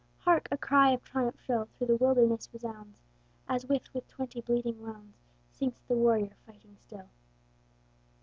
Hark! a cry of triumph shrill Through the wilderness resounds, As, with twenty bleeding wounds, Sinks the warrior, fighting still.